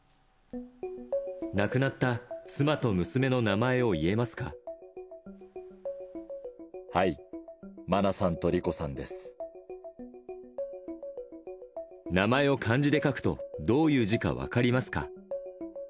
亡くなった妻と娘の名前を言はい、名前を漢字で書くと、どういう字か分かりますか？